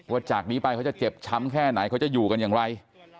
จากนี้ไปเขาจะเจ็บช้ำแค่ไหนเขาจะอยู่กันอย่างไร